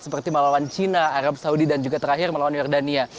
seperti melawan china arab saudi dan juga terakhir melawan jordania